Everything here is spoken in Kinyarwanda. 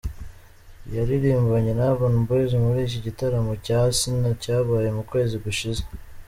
Yaririmbanye na Urban Boys muri iki gitaramo cya Asinah cyabaye mu kwezi gushize.